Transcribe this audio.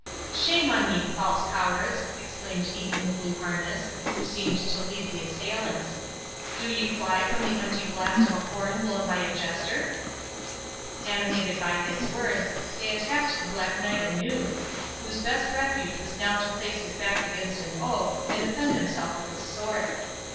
"Shame on ye, false cowards!" exclaimed he in the blue harness, who seemed to lead the assailants, "do ye fly from the empty blast of a horn blown by a Jester?" Animated by his words, they attacked the Black Knight anew, whose best refuge was now to place his back against an oak, and defend himself with his sword.